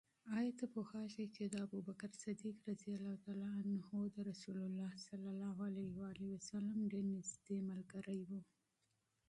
آیا ته پوهېږې چې ابوبکر صدیق د رسول الله ص ډېر نږدې دوست و؟